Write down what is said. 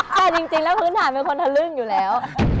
แต่จริงแล้วพื้นฐานเป็นคนทะลึ่งอยู่แล้ว